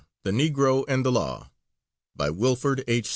The Negro and the Law By WILFORD H.